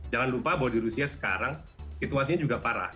jangan lupa bahwa di rusia sekarang situasinya juga parah